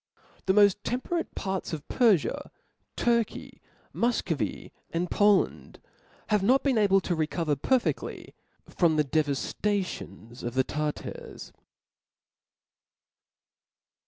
The moft temperate parts of Perfia, Turky, Mufcovy, and Poland, have not been able to i ecover pcrfediy from the devaftations of the Tartars.